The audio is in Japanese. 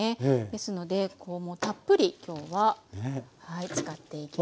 ですのでたっぷり今日は使っていきます。